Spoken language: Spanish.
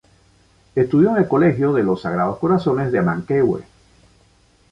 Estudió en el Colegio de los Sagrados Corazones de Manquehue.